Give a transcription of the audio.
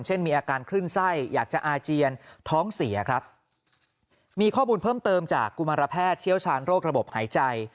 เช่นมีอาการคลื่นไส้อยากจะอาเจียนท้องเสียครับมีข้อมูลเพิ่มเติมจากกุมารแพทย์เชี่ยวชาญโรคระบบหายใจ